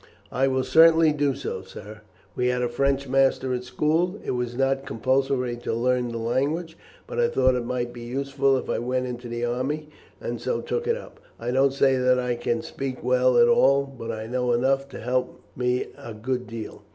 "I will certainly do so, sir. We had a French master at school. It was not compulsory to learn the language, but I thought it might be useful if I went into the army, and so took it up. I don't say that I can speak well at all, but I know enough to help me a good deal."